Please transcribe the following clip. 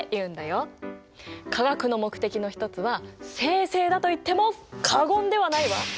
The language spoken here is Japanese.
化学の目的の一つは精製だといっても過言ではないわ！